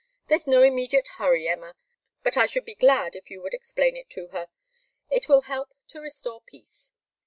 There's no immediate hurry, Emma, but I should be glad if you would explain it to her. It will help to restore peace.